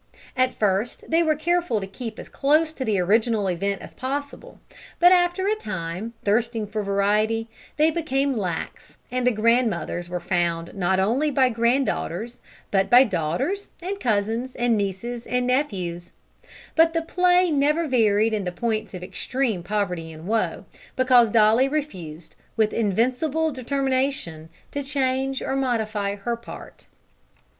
At first they were careful to keep as close to the original event as possible; but after a time, thirsting for variety, they became lax, and the grandmothers were found not only by granddaughters, but by daughters, and cousins, and nieces, and nephews; but the play never varied in the points of extreme poverty and woe, because Dolly refused, with invincible determination, to change or modify her part.